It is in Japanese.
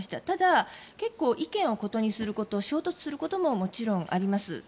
ただ、結構、意見を異にすること衝突することももちろんあります。